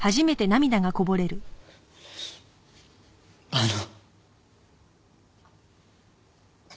あの。